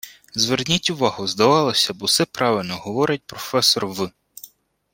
Зверніть увагу: здавалося б, усе правильно говорить професор В